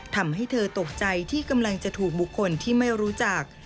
ทำให้เธอตกใจที่กำลังจะถูกบุคคลที่ไม่รู้จัก